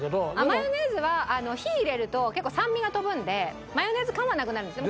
マヨネーズは火入れると結構酸味が飛ぶのでマヨネーズ感はなくなるんですよ。